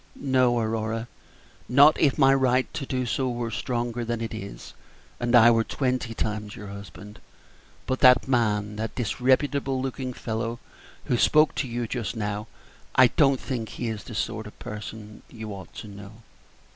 No, Aurora, not if my right to do so were stronger than it is, and I were twenty times your husband; but that man, that disreputable looking fellow who spoke to you just now I don't think he is the sort of person you ought to assist."